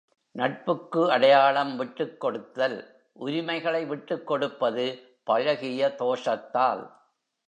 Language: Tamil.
நட்புக்கு அடையாளம் விட்டுக்கொடுத்தல் உரிமைகளை விட்டுக்கொடுப்பது பழகிய தோஷத்தால்.